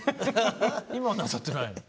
今はなさってない？